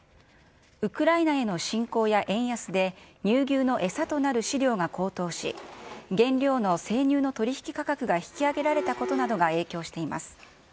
ウクライナへの侵攻や円安で、乳牛の餌となる飼料が高騰し、原料の生乳の取り引き価格が引き上げられたことなどが影響しています。